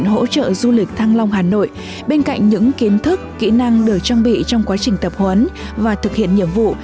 đội tình nguyện hỗ trợ du lịch thăng long hà nội bên cạnh những kiến thức kỹ năng được trang bị trong quá trình tập huấn và thực hiện nhiệm vụ